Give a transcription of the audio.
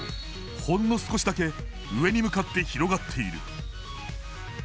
ほんの少しだけ上に向かって広がっている。